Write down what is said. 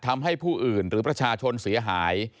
ทำให้ผู้อื่นหรือประชาชนเสียหาย